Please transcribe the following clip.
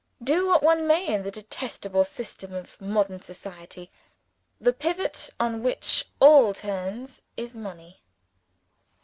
Do what one may in the detestable system of modern society, the pivot on which it all turns is Money.